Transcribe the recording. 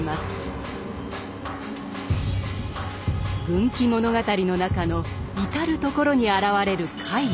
軍記物語の中の至る所に現れる怪異。